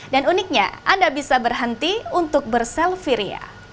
dan uniknya anda bisa berhenti untuk berselfie